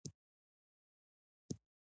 نسج اوس څېړل شوی دی.